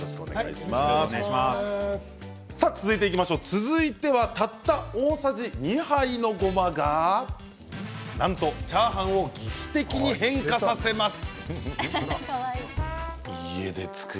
続いて、たった大さじ２杯のごまがなんとチャーハンを劇的に変化させます。